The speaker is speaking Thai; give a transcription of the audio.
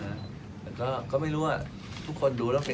แต่ถ้าเรามีการดูแลเรื่อย